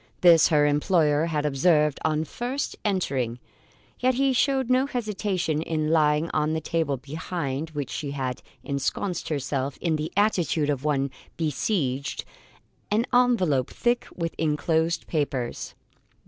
This her employer had observed on first entering; yet he showed no hesitation in laying on the table behind which she had ensconced herself in the attitude of one besieged, an envelope thick with enclosed papers.